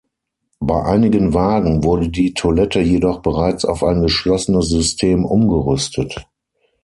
Bei einigen Wagen wurde die Toilette jedoch bereits auf ein geschlossenes System umgerüstet.